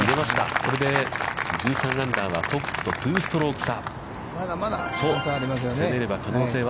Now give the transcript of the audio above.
これで１３アンダーは、トップと２ストローク差。